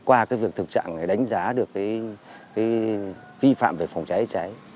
qua việc thực trạng đánh giá được vi phạm về phòng cháy cháy